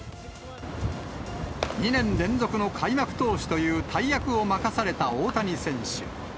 ２年連続の開幕投手という大役を任された大谷選手。